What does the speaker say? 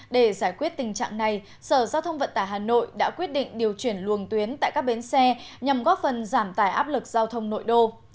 để giải quyết tình trạng này sở giao thông vận tải hà nội đã quyết định điều chuyển luồng tuyến tại các bến xe nhằm góp phần giảm tải áp lực giao thông nội đô